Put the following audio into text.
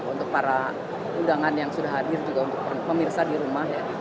untuk para undangan yang sudah hadir juga untuk pemirsa di rumah ya